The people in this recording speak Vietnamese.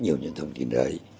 nhiều những thông tin rời